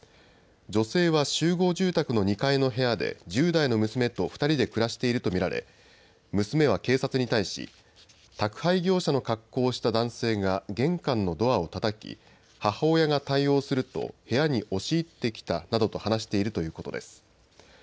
女性は集合住宅の２階の部屋で１０代の娘と２人で暮らしていると見られ娘は警察に対し宅配業者の格好をした男性が玄関のドアをたたき母親が対応すると、部屋に押し入ってきたなどと話しているということです。